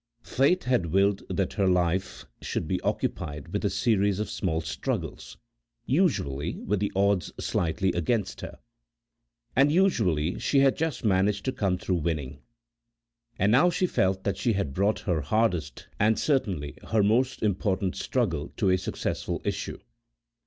Fate had willed that her life should be occupied with a series of small struggles, usually with the odds slightly against her, and usually she had just managed to come through winning. And now she felt that she had brought her hardest and certainly her most important struggle to a successful issue.